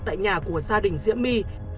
tại nhà của gia đình diễm my